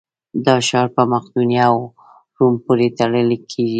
دا ښار په مقدونیه او روم پورې تړل کېږي.